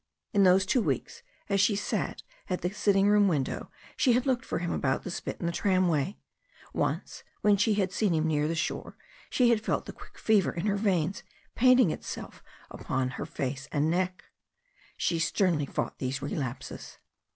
In those two weeks, as she sat at the sitting room win dow, she had looked for him about the spit and the tram way. Once when she had seen him near the store, she had felt the quick fever in her veins painting itself upon her 95 I 96 THE STORY OF A NEW ZEALAND RIVER face and neck. She sternly fought these relapses.